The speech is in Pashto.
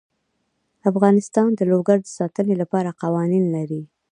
افغانستان د لوگر د ساتنې لپاره قوانین لري.